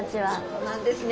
そうなんですね。